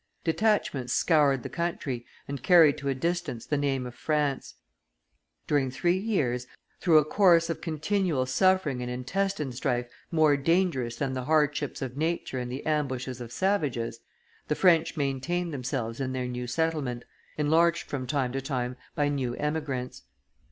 Detachments scoured the country, and carried to a distance the name of France: during three years, through a course of continual suffering and intestine strife more dangerous than the hardships of nature and the ambushes of savages, the French maintained themselves in their new settlement, enlarged from time to time by new emigrants.